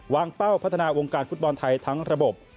เป้าพัฒนาวงการฟุตบอลไทยทั้งระบบ